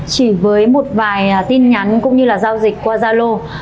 chỉ với một vài tin nhắn cũng như là giao dịch qua zalo